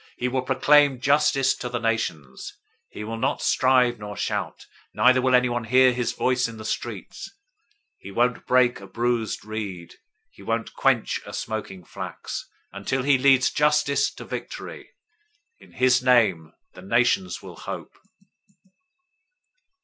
He will proclaim justice to the nations. 012:019 He will not strive, nor shout; neither will anyone hear his voice in the streets. 012:020 He won't break a bruised reed. He won't quench a smoking flax, until he leads justice to victory. 012:021 In his name, the nations will hope."